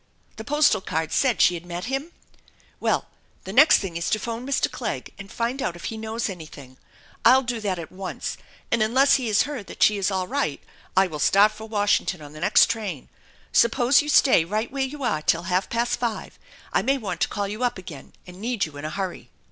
The postal card said she had met him? Well, the next thing is to phone Mr. Clegg and find out if he knows anything. Ill 262 THE ENCHANTED BARN do that at once, and unles Le has heard that she is all right I will start for Washington on the next train. Suppose you stay right where you are till half past five. I may want to call you up again and need you in a hurry.